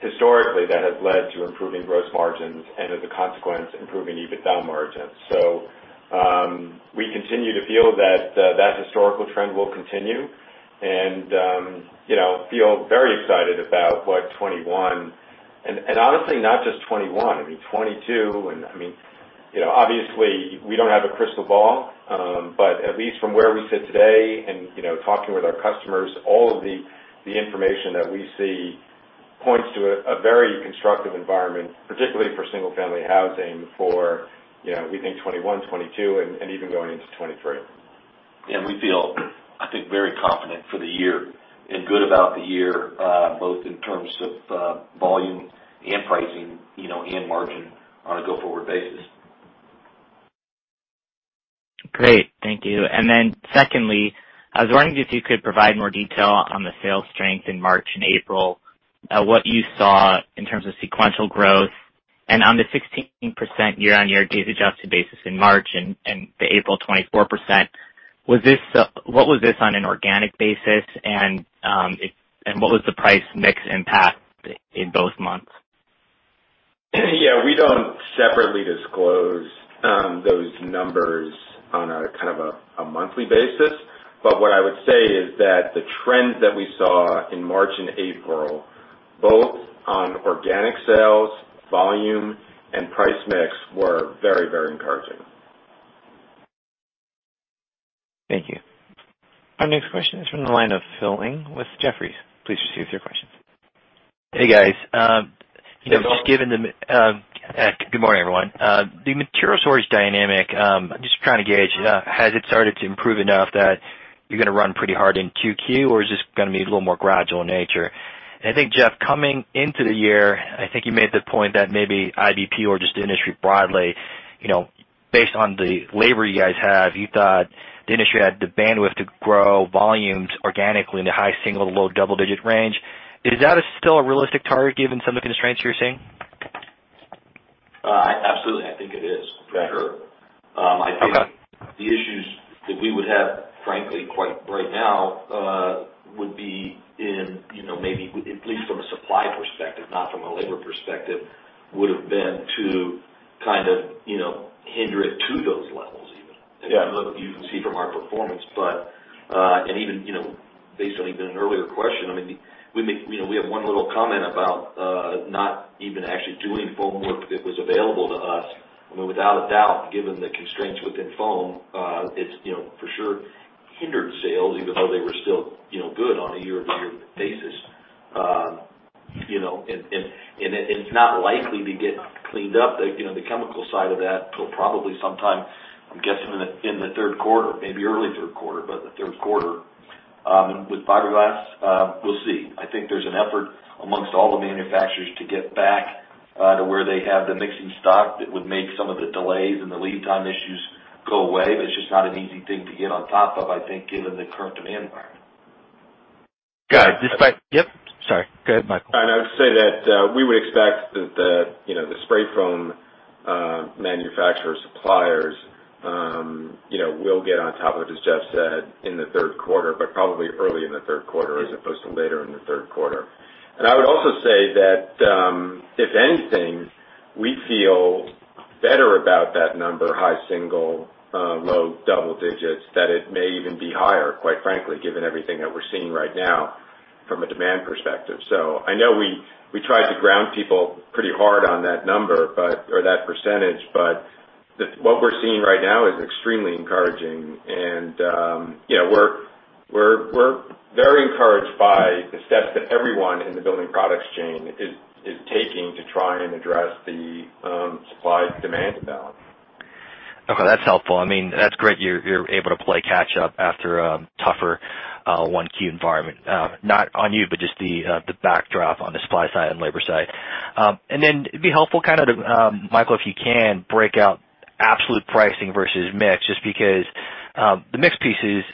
historically, that has led to improving gross margins and, as a consequence, improving EBITDA margins. So we continue to feel that that historical trend will continue and feel very excited about what 2021 and honestly, not just 2021. I mean, 2022 and I mean, obviously, we don't have a crystal ball. But at least from where we sit today and talking with our customers, all of the information that we see points to a very constructive environment, particularly for single-family housing for, we think, 2021, 2022, and even going into 2023. We feel, I think, very confident for the year and good about the year both in terms of volume and pricing and margin on a go-forward basis. Great. Thank you. And then secondly, I was wondering if you could provide more detail on the sales strength in March and April, what you saw in terms of sequential growth. And on the 16% year-over-year days-adjusted basis in March and the April 24%, what was this on an organic basis, and what was the price mix impact in both months? Yeah, we don't separately disclose those numbers on a kind of a monthly basis. But what I would say is that the trends that we saw in March and April, both on organic sales, volume, and price mix, were very, very encouraging. Thank you. Our next question is from the line of Phil Ng with Jefferies. Please proceed with your questions. Hey, guys. Good morning, everyone. The material shortage dynamic, just trying to gauge, has it started to improve enough that you're going to run pretty hard in Q2, or is this going to be a little more gradual in nature? I think, Jeff, coming into the year, I think you made the point that maybe IBP or just the industry broadly, based on the labor you guys have, you thought the industry had the bandwidth to grow volumes organically in the high single-digit, low double-digit range. Is that still a realistic target given some of the constraints you're seeing? Absolutely. I think it is for sure. I think the issues that we would have, frankly, acute right now would be in maybe at least from a supply perspective, not from a labor perspective, would have been to kind of hinder it to those levels even, as you can see from our performance. And even based on an earlier question, I mean, we have one little comment about not even actually doing foam work that was available to us. I mean, without a doubt, given the constraints within foam, it's for sure hindered sales even though they were still good on a year-over-year basis. And it's not likely to get cleaned up. The chemical side of that will probably sometime, I'm guessing, in the third quarter, maybe early third quarter, but the third quarter. And with fiberglass, we'll see. I think there's an effort among all the manufacturers to get back to where they have the mixing stock that would make some of the delays and the lead time issues go away. But it's just not an easy thing to get on top of, I think, given the current demand environment. Got it. Yep. Sorry. Go ahead, Michael. I would say that we would expect that the spray foam manufacturers, suppliers, will get on top of it, as Jeff said, in the third quarter but probably early in the third quarter as opposed to later in the third quarter. I would also say that, if anything, we feel better about that number, high single, low double digits, that it may even be higher, quite frankly, given everything that we're seeing right now from a demand perspective. I know we tried to ground people pretty hard on that number or that percentage, but what we're seeing right now is extremely encouraging. We're very encouraged by the steps that everyone in the building products chain is taking to try and address the supply-demand imbalance. Okay. That's helpful. I mean, that's great. You're able to play catch-up after a tougher 1Q environment, not on you, but just the backdrop on the supply side and labor side. And then it'd be helpful kind of to, Michael, if you can, break out absolute pricing versus mix just because the mix piece is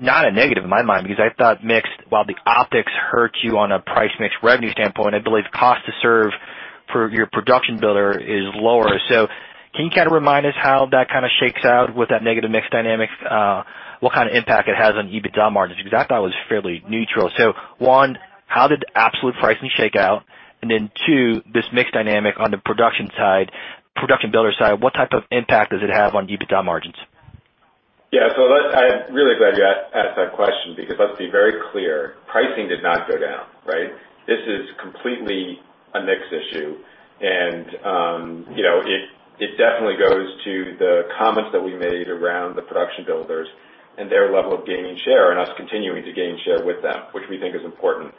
not a negative in my mind because I thought mixed, while the optics hurt you on a price-mix revenue standpoint, I believe cost to serve for your production builder is lower. So can you kind of remind us how that kind of shakes out with that negative mix dynamic? What kind of impact it has on EBITDA margins because I thought it was fairly neutral. So one, how did absolute pricing shake out? And then two, this mix dynamic on the production builder side, what type of impact does it have on EBITDA margins? Yeah. So I'm really glad you asked that question because let's be very clear. Pricing did not go down, right? This is completely a mix issue. And it definitely goes to the comments that we made around the production builders and their level of gaining share and us continuing to gain share with them, which we think is important,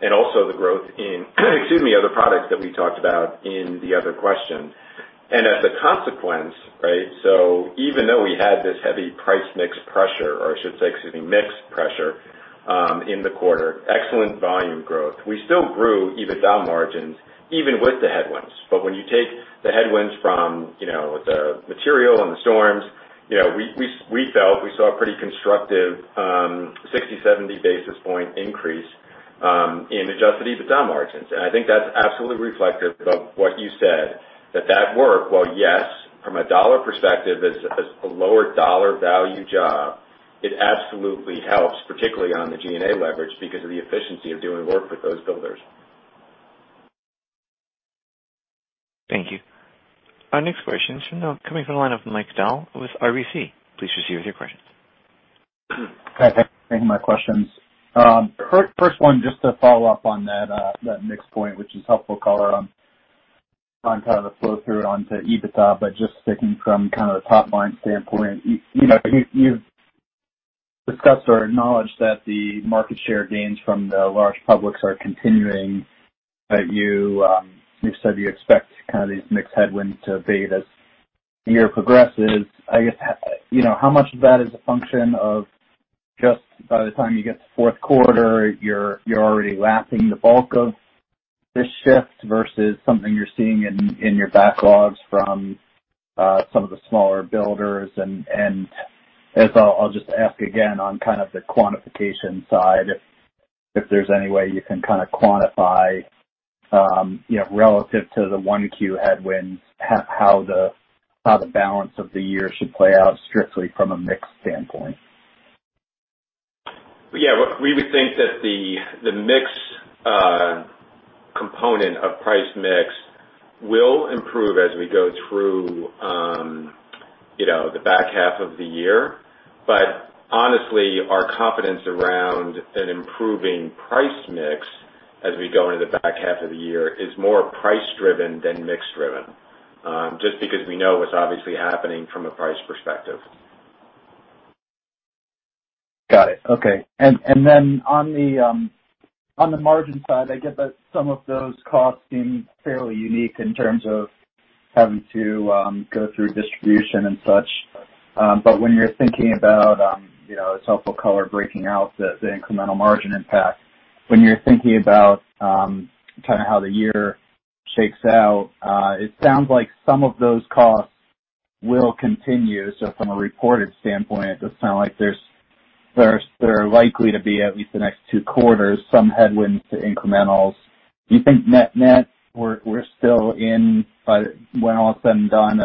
and also the growth in - excuse me - other products that we talked about in the other question. And as a consequence, right, so even though we had this heavy price-mix pressure or I should say, excuse me, mix pressure in the quarter, excellent volume growth. We still grew EBITDA margins even with the headwinds. But when you take the headwinds from the material and the storms, we felt we saw a pretty constructive 60-70 basis points increase in adjusted EBITDA margins. I think that's absolutely reflective of what you said, that that work, well, yes, from a dollar perspective, as a lower dollar value job, it absolutely helps, particularly on the G&A leverage because of the efficiency of doing work with those builders. Thank you. Our next question is coming from the line of Mike Dahl with RBC. Please proceed with your questions. Hi. Thank you for taking my questions. First one, just to follow up on that mix point, which is helpful to call around kind of the flow through it onto EBITDA. But just thinking from kind of a top-line standpoint, you've discussed or acknowledged that the market share gains from the large publics are continuing. You said you expect kind of these mix headwinds to abate as the year progresses. I guess, how much of that is a function of just by the time you get to fourth quarter, you're already lapping the bulk of this shift versus something you're seeing in your backlogs from some of the smaller builders? And I'll just ask again on kind of the quantification side if there's any way you can kind of quantify relative to the 1Q headwinds how the balance of the year should play out strictly from a mix standpoint. Yeah. We would think that the mix component of price mix will improve as we go through the back half of the year. But honestly, our confidence around an improving price mix as we go into the back half of the year is more price-driven than mix-driven just because we know what's obviously happening from a price perspective. Got it. Okay. And then on the margin side, I get that some of those costs seem fairly unique in terms of having to go through distribution and such. But when you're thinking about it, it's helpful to call out breaking out the incremental margin impact, when you're thinking about kind of how the year shakes out, it sounds like some of those costs will continue. So from a reported standpoint, it does sound like there are likely to be, at least the next two quarters, some headwinds to incrementals. Do you think net-net, we're still in, when all is said and done,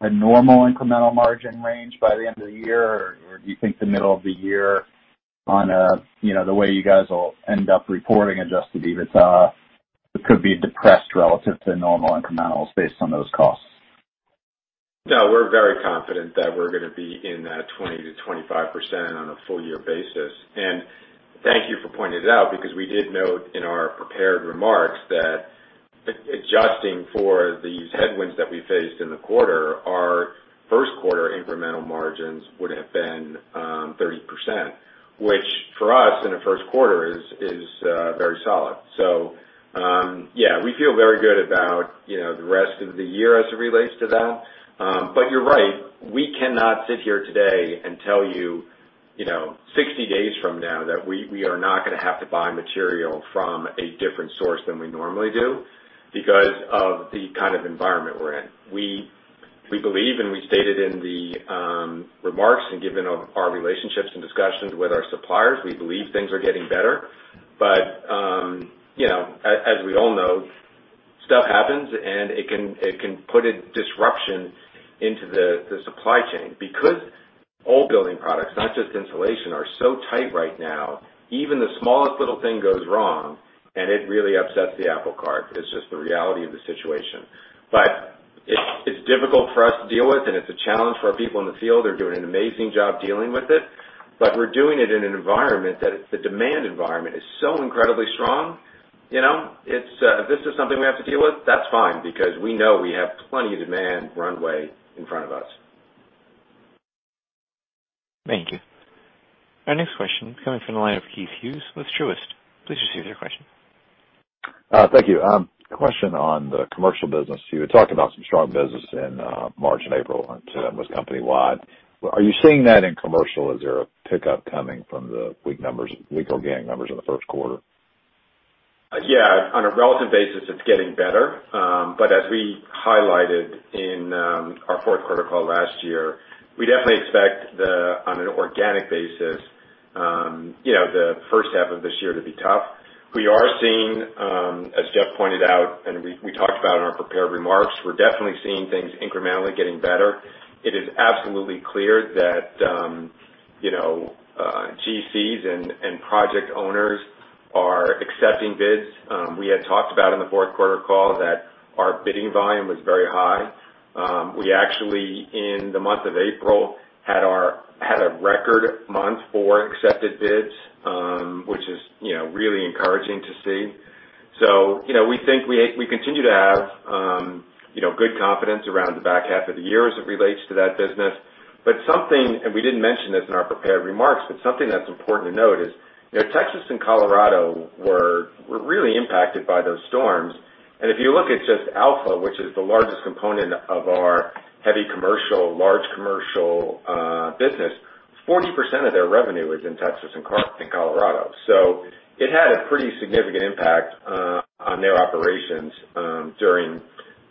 a normal incremental margin range by the end of the year? Or do you think the middle of the year, the way you guys will end up reporting adjusted EBITDA, it could be depressed relative to normal incrementals based on those costs? No, we're very confident that we're going to be in that 20%-25% on a full-year basis. Thank you for pointing it out because we did note in our prepared remarks that adjusting for these headwinds that we faced in the quarter, our first-quarter incremental margins would have been 30%, which for us in a first quarter is very solid. So yeah, we feel very good about the rest of the year as it relates to that. But you're right. We cannot sit here today and tell you 60 days from now that we are not going to have to buy material from a different source than we normally do because of the kind of environment we're in. We believe, and we stated in the remarks and given our relationships and discussions with our suppliers, we believe things are getting better. But as we all know, stuff happens, and it can put a disruption into the supply chain because all building products, not just insulation, are so tight right now. Even the smallest little thing goes wrong, and it really upsets the apple cart. It's just the reality of the situation. But it's difficult for us to deal with, and it's a challenge for our people in the field. They're doing an amazing job dealing with it. But we're doing it in an environment that the demand environment is so incredibly strong. If this is something we have to deal with, that's fine because we know we have plenty of demand runway in front of us. Thank you. Our next question is coming from the line of Keith Hughes with Truist. Please proceed with your question. Thank you. A question on the commercial business. You had talked about some strong business in March and April and that was company-wide. Are you seeing that in commercial? Is there a pickup coming from the weekly organic numbers in the first quarter? Yeah. On a relative basis, it's getting better. But as we highlighted in our fourth quarter call last year, we definitely expect, on an organic basis, the first half of this year to be tough. We are seeing, as Jeff pointed out, and we talked about in our prepared remarks, we're definitely seeing things incrementally getting better. It is absolutely clear that GCs and project owners are accepting bids. We had talked about in the fourth quarter call that our bidding volume was very high. We actually, in the month of April, had a record month for accepted bids, which is really encouraging to see. So we think we continue to have good confidence around the back half of the year as it relates to that business. But something, and we didn't mention this in our prepared remarks, but something that's important to note is Texas and Colorado were really impacted by those storms. And if you look at just Alpha, which is the largest component of our heavy commercial, large commercial business, 40% of their revenue is in Texas and Colorado. So it had a pretty significant impact on their operations during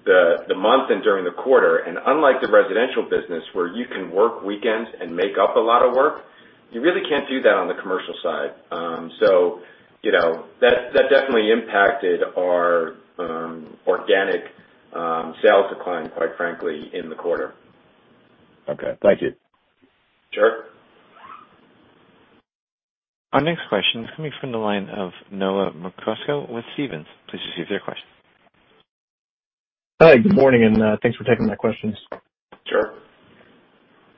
the month and during the quarter. And unlike the residential business where you can work weekends and make up a lot of work, you really can't do that on the commercial side. So that definitely impacted our organic sales decline, quite frankly, in the quarter. Okay. Thank you. Sure. Our next question is coming from the line of Noah Merkousko with Stephens. Please proceed with your question. Hi. Good morning, and thanks for taking my questions. Sure.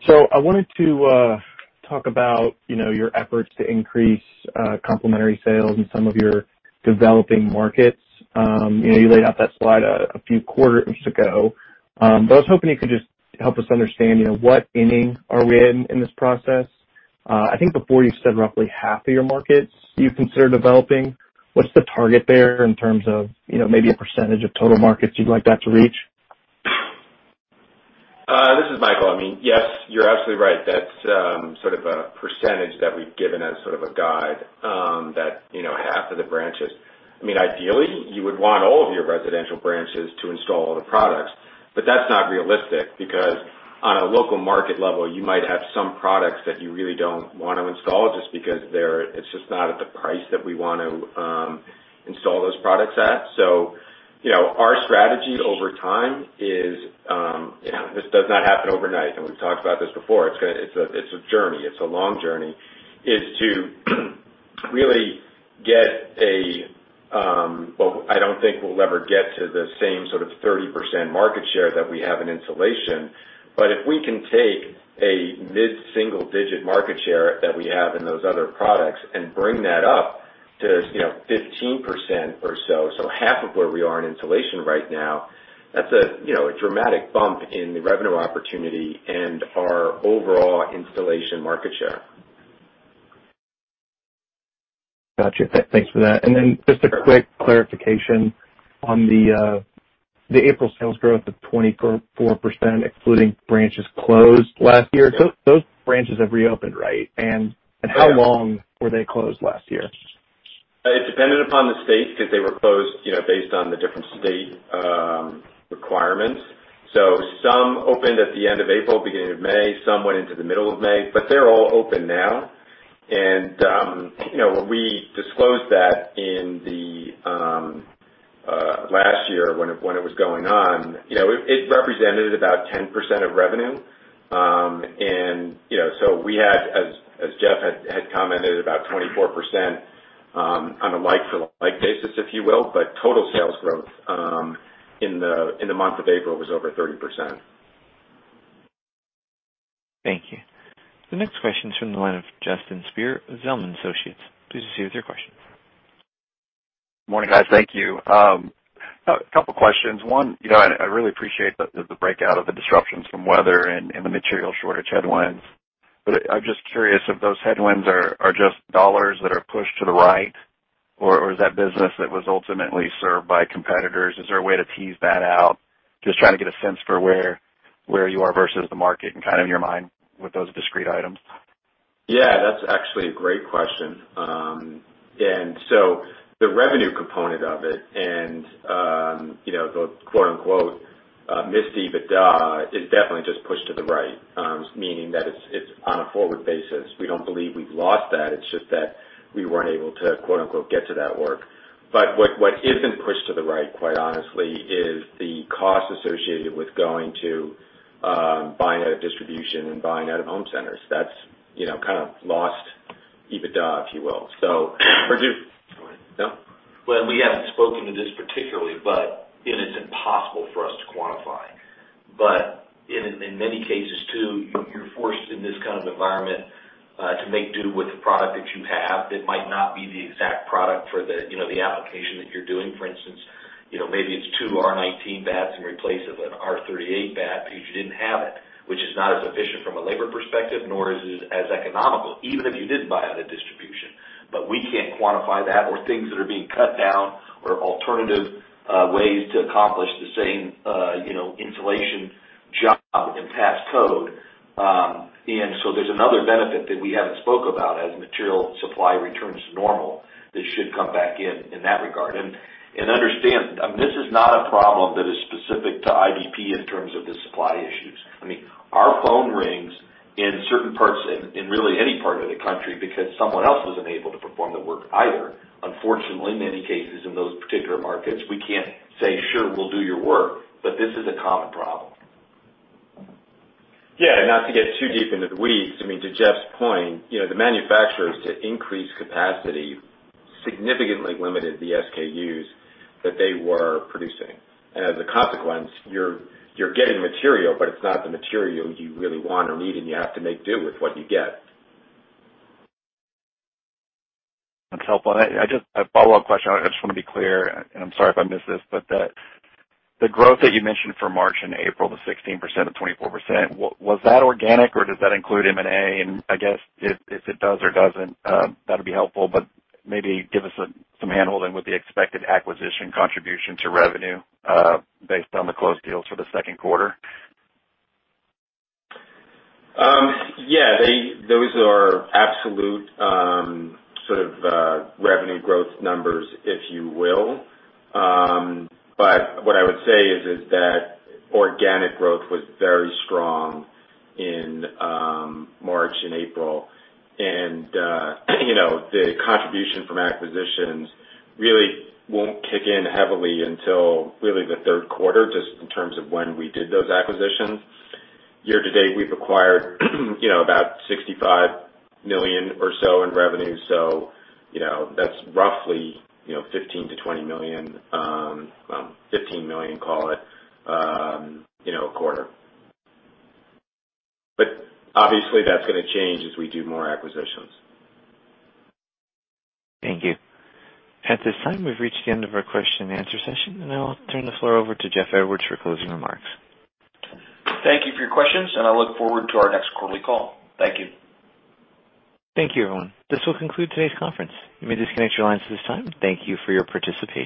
So I wanted to talk about your efforts to increase complementary sales in some of your developing markets. You laid out that slide a few quarters ago. But I was hoping you could just help us understand what inning are we in in this process? I think before you said roughly half of your markets you consider developing. What's the target there in terms of maybe a percentage of total markets you'd like that to reach? This is Michael. I mean, yes, you're absolutely right. That's sort of a percentage that we've given as sort of a guide that half of the branches. I mean, ideally, you would want all of your residential branches to install all the products. But that's not realistic because, on a local market level, you might have some products that you really don't want to install just because it's just not at the price that we want to install those products at. So our strategy over time is this does not happen overnight. And we've talked about this before. It's a journey. It's a long journey is to really get a well, I don't think we'll ever get to the same sort of 30% market share that we have in insulation. If we can take a mid-single-digit market share that we have in those other products and bring that up to 15% or so, so half of where we are in insulation right now, that's a dramatic bump in the revenue opportunity and our overall installation market share. Gotcha. Thanks for that. And then just a quick clarification on the April sales growth of 24% excluding branches closed last year. Those branches have reopened, right? And how long were they closed last year? It depended upon the state because they were closed based on the different state requirements. So some opened at the end of April, beginning of May. Some went into the middle of May. But they're all open now. And when we disclosed that last year when it was going on, it represented about 10% of revenue. And so we had, as Jeff had commented, about 24% on a like-for-like basis, if you will. But total sales growth in the month of April was over 30%. Thank you. The next question is from the line of Justin Speer, Zelman & Associates. Please proceed with your question. Morning, guys. Thank you. A couple of questions. One, I really appreciate the breakout of the disruptions from weather and the material shortage headwinds. But I'm just curious if those headwinds are just dollars that are pushed to the right, or is that business that was ultimately served by competitors? Is there a way to tease that out, just trying to get a sense for where you are versus the market and kind of in your mind with those discrete items? Yeah. That's actually a great question. And so the revenue component of it and the "missed EBITDA" is definitely just pushed to the right, meaning that it's on a forward basis. We don't believe we've lost that. It's just that we weren't able to "get to that work." But what isn't pushed to the right, quite honestly, is the cost associated with going to buying out of distribution and buying out of home centers. That's kind of lost EBITDA, if you will. So we're doing go ahead. No? Well, we haven't spoken to this particularly, and it's impossible for us to quantify. But in many cases, too, you're forced, in this kind of environment, to make do with the product that you have. It might not be the exact product for the application that you're doing. For instance, maybe it's two R19 batts in place of an R38 batt because you didn't have it, which is not as efficient from a labor perspective nor is it as economical, even if you didn't buy out of distribution. But we can't quantify that or things that are being cut down or alternative ways to accomplish the same insulation job and pass code. And so there's another benefit that we haven't spoke about as material supply returns to normal that should come back in that regard. Understand, this is not a problem that is specific to IBP in terms of the supply issues. I mean, our phone rings in certain parts and really any part of the country because someone else wasn't able to perform the work either. Unfortunately, in many cases in those particular markets, we can't say, "Sure. We'll do your work." This is a common problem. Yeah. And not to get too deep into the weeds, I mean, to Jeff's point, the manufacturers, to increase capacity, significantly limited the SKUs that they were producing. And as a consequence, you're getting material, but it's not the material you really want or need, and you have to make do with what you get. That's helpful. A follow-up question. I just want to be clear, and I'm sorry if I missed this, but the growth that you mentioned for March and April, the 16%, the 24%, was that organic, or does that include M&A? And I guess if it does or doesn't, that would be helpful. But maybe give us some handholding with the expected acquisition contribution to revenue based on the closed deals for the second quarter. Yeah. Those are absolute sort of revenue growth numbers, if you will. But what I would say is that organic growth was very strong in March and April. And the contribution from acquisitions really won't kick in heavily until really the third quarter, just in terms of when we did those acquisitions. Year to date, we've acquired about $65 million or so in revenue. So that's roughly $15 million-$20 million well, $15 million, call it, a quarter. But obviously, that's going to change as we do more acquisitions. Thank you. At this time, we've reached the end of our question-and-answer session. I'll turn the floor over to Jeff Edwards for closing remarks. Thank you for your questions, and I look forward to our next quarterly call. Thank you. Thank you, everyone. This will conclude today's conference. You may disconnect your lines at this time. Thank you for your participation.